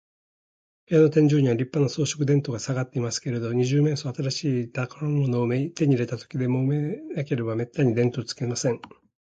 部屋の天井には、りっぱな装飾電燈がさがっていますけれど、二十面相は、新しい宝物を手に入れたときででもなければ、めったに電燈をつけません。